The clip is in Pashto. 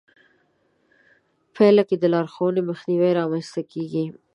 پايله کې د لارښوونې مخنيوی رامنځته کېږي.